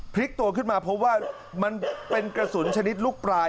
พลิกตัวขึ้นมาเพราะว่ามันเป็นกระสุนชนิดลูกปลาย